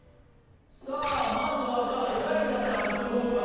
さぁまずはじゃあエライザさんと風磨が一緒やね。